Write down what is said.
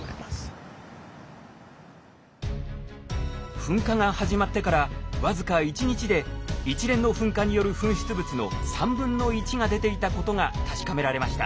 噴火が始まってから僅か１日で一連の噴火による噴出物の1/3が出ていたことが確かめられました。